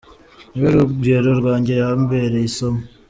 Ni we rugero rwanjye, yambereye isomo.